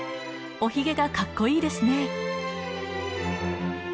お髭がかっこいいですね。